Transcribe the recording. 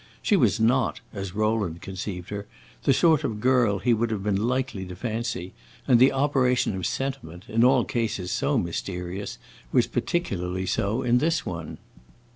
She was not, as Rowland conceived her, the sort of girl he would have been likely to fancy, and the operation of sentiment, in all cases so mysterious, was particularly so in this one.